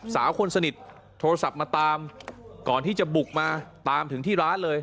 สาวคนสนิทโทรศัพท์มาตามก่อนที่จะบุกมาตามถึงที่ร้านเลย